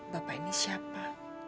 bapak ini siapa